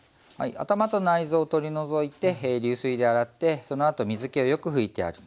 頭と内臓を取り除いて流水で洗ってそのあと水けをよく拭いてある。